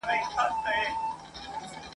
ده څو ځله تلاښ وکړ چي سپی ورک سي ..